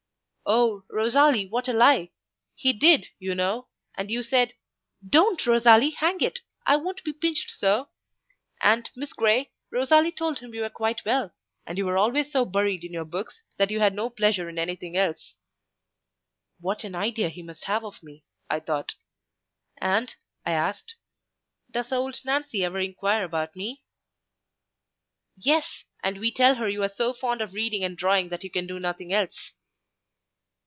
"Oh, Rosalie, what a lie! He did, you know; and you said—Don't, Rosalie—hang it!—I won't be pinched so! And, Miss Grey, Rosalie told him you were quite well, but you were always so buried in your books that you had no pleasure in anything else." "What an idea he must have of me!" I thought. "And," I asked, "does old Nancy ever inquire about me?" "Yes; and we tell her you are so fond of reading and drawing that you can do nothing else."